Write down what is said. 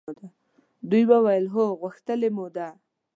دوی وویل هو! غوښتلې مو ده.